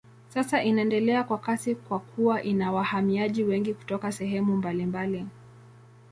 Sasa inaendelea kwa kasi kwa kuwa ina wahamiaji wengi kutoka sehemu mbalimbali.